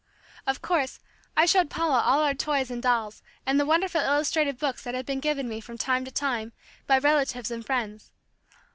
Of course, I showed Paula all our toys and dolls and the wonderful illustrated books that had been given me from time to time by relatives and friends.